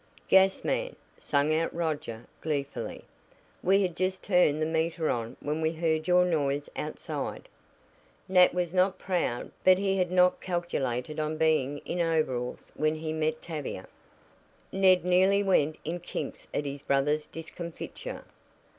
"Gas man!" sang out Roger gleefully. "We had just turned the meter on when we heard your noise outside." Nat was not proud, but he had not calculated on being in overalls when he met Tavia. Ned nearly went in kinks at his brother's discomfiture.